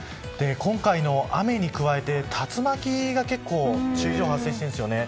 今回の雨に加えて竜巻が結構、注意情報が発生しているんですよね。